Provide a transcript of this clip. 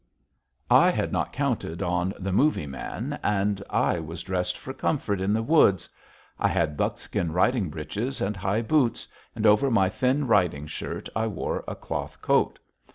I had not counted on the "movie" man, and I was dressed for comfort in the woods. I had buckskin riding breeches and high boots, and over my thin riding shirt I wore a cloth coat.